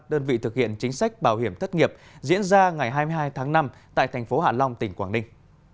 đơn vị thực hiện chính sách bảo hiểm thất nghiệp diễn ra ngày hai mươi hai tháng năm tại thành phố hạ long tỉnh quảng ninh